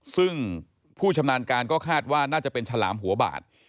ซึ่งผู้ชำนาญการก็คาดว่าน่าจะเป็นฉลามหัวบาด